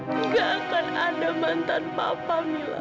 tidak akan ada mantan papa mila